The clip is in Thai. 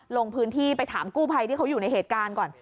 ลงพื้นที่ไปถามกู้ภัยที่เขาอยู่ในเหตุการณ์ก่อน